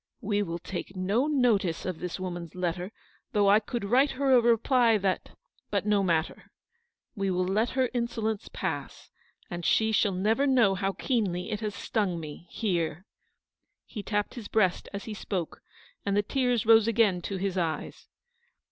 We will take no notice of this woman's letter; though I could write her a reply that — but no matter. We will let her insolence pass, and she shall never know how keenly it has stung me here !" D 2 3G ELEANORS VICTORY. He tapped his breast as he spoke, and the tears rose again to his eyes.